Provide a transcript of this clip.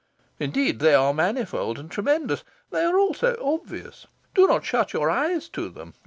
Indeed, they are manifold and tremendous. They are also obvious: do not shut your eyes to them.